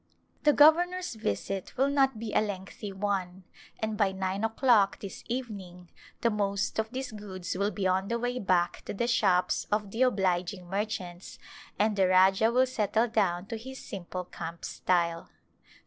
The governor's visit will not be a lengthy one and by nine o'clock this evening the most of these goods will be on the way back to the shops of the obliging merchants, and the Rajah will settle down to his simple camp style.